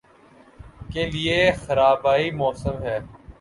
کے لئے خرابیٔ موسم ہے۔